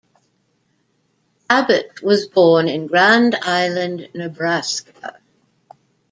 Abbott was born in Grand Island, Nebraska.